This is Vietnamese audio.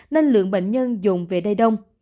nên lượng bệnh nhân dùng về đầy đông